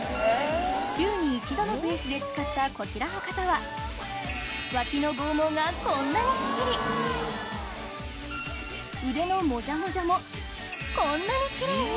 週に１度のペースで使ったこちらの方は脇の剛毛がこんなにすっきり腕のモジャモジャもこんなにキレイに！